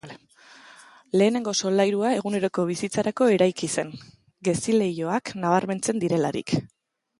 Lehenengo solairua eguneroko bizitzarako eraiki zen, gezileihoak nabarmentzen direlarik.